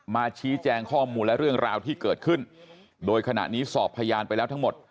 มาชี้แจงข้อมูลและเรื่องราวที่เกิดขึ้นโดยขณะนี้สอบพยานไปแล้วทั้งหมด